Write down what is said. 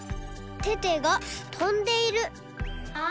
テテがとんでいる。